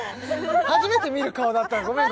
初めて見る顔だったごめん